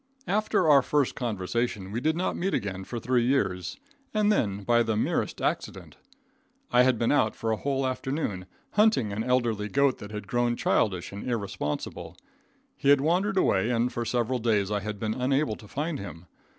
After our first conversation we did not meet again for three years, and then by the merest accident. I had been out for a whole afternoon, hunting an elderly goat that had grown childish and irresponsible. He had wandered away, and for several days I had been unable to find him.